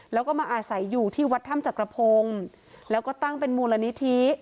แล้วก็มาอาศัยอยู่ที่วัดถ้ำจักรพงศ์แล้วก็ตั้งเป็นมูลนิธิ